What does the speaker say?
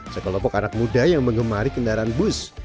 sekelompok anak muda yang mengemari kendaraan bus